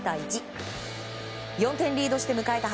４点リードして迎えた